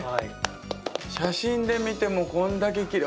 写真で見てもこんだけきれい！